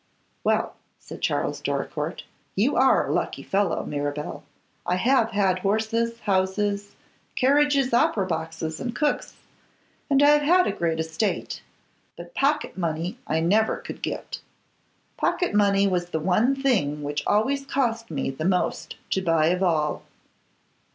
'Well,' said Charles Doricourt, 'you are a lucky fellow, Mirabel. I have had horses, houses, carriages, opera boxes, and cooks, and I have had a great estate; but pocket money I never could get. Pocket money was the thing which always cost me the most to buy of all.